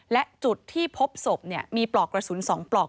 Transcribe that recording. และจุดที่พบศพมีปลอกกระสุน๒ปลอก